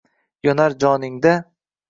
Yonar joningda.